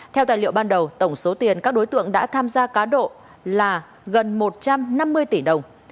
theo tài liệu ban đầu tổng số tiền các đối tượng đã tham gia cá độ là gần một trăm năm mươi tỷ đồng